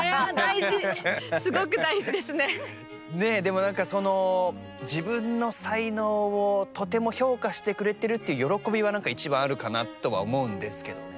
もなんかその自分の才能をとても評価してくれてるっていう喜びは一番あるかなとは思うんですけどね。